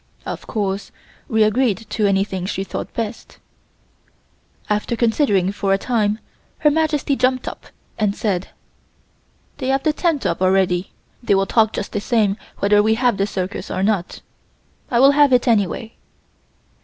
Of course we agreed to anything she thought best. After considering for a time Her Majesty jumped up and said: "They have the tent up already; they will talk just the same whether we have the circus or not; I will have it anyway."